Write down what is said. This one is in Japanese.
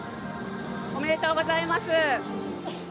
おめでとうございます。